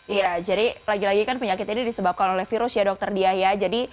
iya jadi lagi lagi kan penyakit ini disebabkan oleh virus ya dokter diah ya